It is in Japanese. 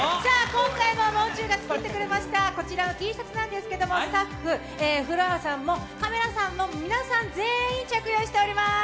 今回ももう中が作ってくれましたこちらのＴシャツなんですけれどもスタッフ、フロアさんもカメラさんも皆さん全員、着用しています。